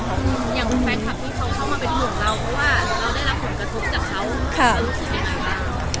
อย่างคุณแฟนคลับที่เขาเข้ามาเป็นห่วงเรา